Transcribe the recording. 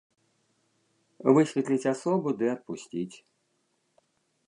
Высветліць асобу ды адпусціць.